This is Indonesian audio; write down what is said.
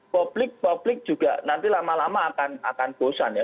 publik publik juga nanti lama lama akan bosan ya